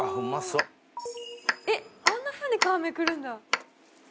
そうえっあんなふうに皮めくるんだ